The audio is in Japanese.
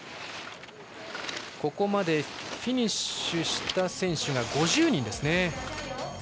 ここまでフィニッシュした選手が５０人。